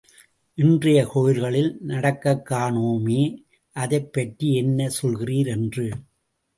இன்றையக் கோயில்களில் நடக்கக் காணோமே, அதைப் பற்றி என்ன சொல்லுகிறீர் என்று.